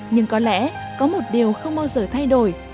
nhưng có lẽ có một điều không bao giờ thay đổi